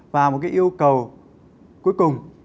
và một cái yêu cầu cuối cùng